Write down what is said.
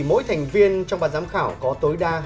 mỗi thành viên trong ban giám khảo có tối đa